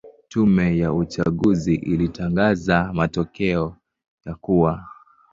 Tume ya uchaguzi ilitangaza matokeo ya kuwa